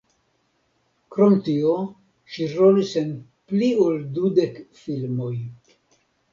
Krom tio ŝi rolis en pli ol dudek filmoj.